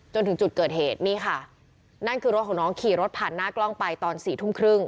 จนถึงจุดเกิดเหตุนี่ค่ะนั่นคือรถของน้องขี่รถผ่านหน้ากล้องไปตอนสี่ทุ่มครึ่ง